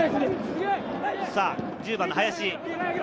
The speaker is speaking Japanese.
１０番の林。